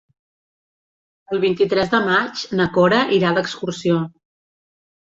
El vint-i-tres de maig na Cora irà d'excursió.